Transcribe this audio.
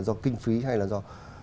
do kinh phí hay là do